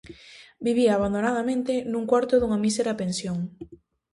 Vivía abandonadamente nun cuarto dunha mísera pensión.